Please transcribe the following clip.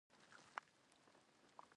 دوی د ناټو له عمومي منشي سره یو ځای ولاړ وو.